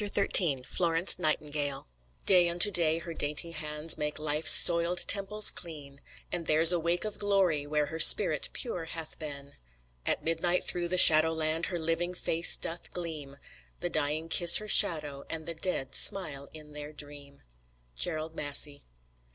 XIII FLORENCE NIGHTINGALE Day unto day her dainty hands Make Life's soiled temples clean; And there's a wake of glory where Her spirit pure hath been. At midnight through the shadow land Her living face doth gleam; The dying kiss her shadow, and The dead smile in their dream. _Gerald Massey.